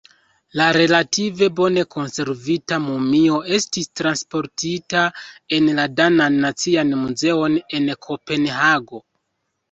La relative bone konservita mumio estis transportita en la danan nacian muzeon en Kopenhago.